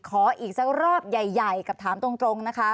ขออีกสักรอบใหญ่กับถามตรงนะคะ